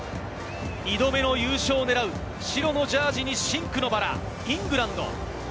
２度目の優勝を狙う白のジャージーに真紅のバラ、イングランド。